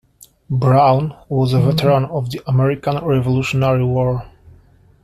Brown was a veteran of the American Revolutionary War.